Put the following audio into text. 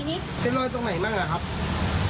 ก็ที่มือเปิดมันก็ข้างมือพี่ลอดกระจกเข้าไป